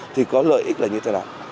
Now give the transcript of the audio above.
thì có lợi ích là như thế nào